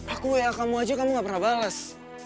aku wa kamu aja kamu gak pernah bales